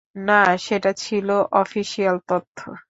না, সেটা ছিল অফিসিয়াল তথ্য।